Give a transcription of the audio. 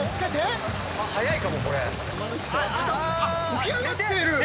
起き上がっている。